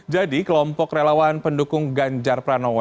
jadi kelompok relawan pendukung ganjar pranowo